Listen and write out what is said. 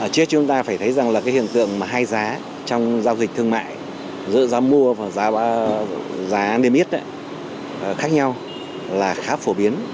trước chúng ta phải thấy rằng là cái hiện tượng mà hai giá trong giao dịch thương mại giữa giá mua và giá niêm yết khác nhau là khá phổ biến